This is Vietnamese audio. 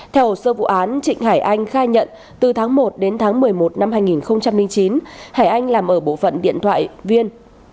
theo hồ sơ vụ án trịnh hải anh khai nhận từ tháng một đến tháng một mươi một năm hai nghìn chín hải anh làm ở bộ phận điện thoại viên